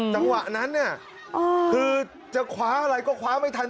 จังหวะนั้นคือจะขวาอะไรก็ขวาไม่ทัน